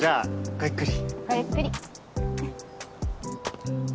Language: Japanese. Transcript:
ごゆっくり。